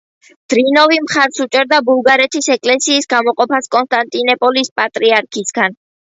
დრინოვი მხარს უჭერდა ბულგარეთის ეკლესიის გამოყოფას კონსტანტინოპოლის პატრიარქისგან.